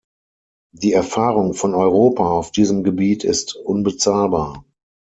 Die Erfahrung von Europa auf diesem Gebiet ist unbezahlbar.